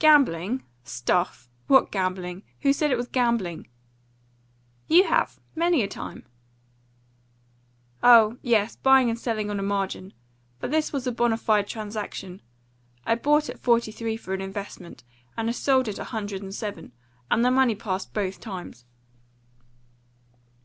"Gambling? Stuff! What gambling? Who said it was gambling?" "You have; many a time." "Oh yes, buying and selling on a margin. But this was a bona fide transaction. I bought at forty three for an investment, and I sold at a hundred and seven; and the money passed both times."